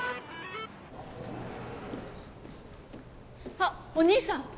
あっお兄さん！